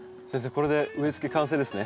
これで植えつけ完成ですね。